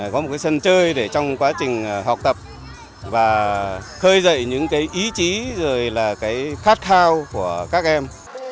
có một cái sân chơi để trong quá trình học tập và khơi dậy những cái ý chí rồi là cái khát khao của các em